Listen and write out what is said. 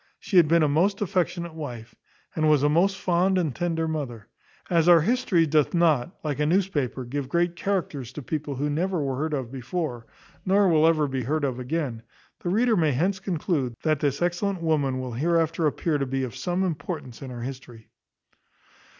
She had been a most affectionate wife, and was a most fond and tender mother. As our history doth not, like a newspaper, give great characters to people who never were heard of before, nor will ever be heard of again, the reader may hence conclude, that this excellent woman will hereafter appear to be of some importance in our history.